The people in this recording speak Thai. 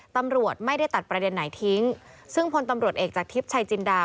ตำรวจไม่ได้ตัดประเด็นไหนทิ้งซึ่งพลตำรวจเอกจากทิพย์ชัยจินดา